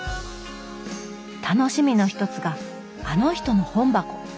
楽しみの一つが「あの人の本箱」。